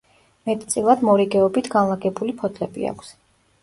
მეტწილად მორიგეობით განლაგებული ფოთლები აქვს.